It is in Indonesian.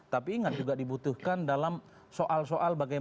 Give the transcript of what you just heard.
tapi ingat juga dibutuhkan dalam soal soal bagian itu